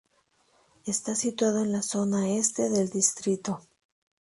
Está situado en la zona este del distrito.